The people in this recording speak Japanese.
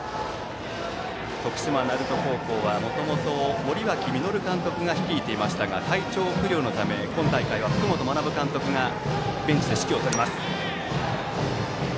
徳島・鳴門高校はもともと森脇稔監督が率いていましたが体調不良のため今大会は福本学監督がベンチで指揮を執ります。